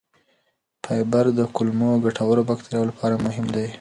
فایبر د کولمو ګټورو بکتریاوو لپاره مهم دی.